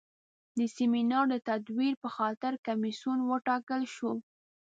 د سیمینار د تدویر په خاطر کمیسیون وټاکل شو.